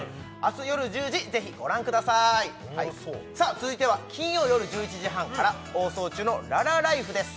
続いては金曜よる１１時半から放送中の「ララＬＩＦＥ」です